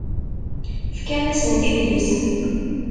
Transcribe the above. Fkan-asen-d idlisen.